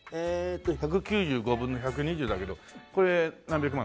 １９５分の１２９だけどこれ何百万？